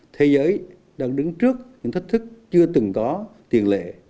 thế giới đang đứng trước những thách thức chưa từng có tiền lệ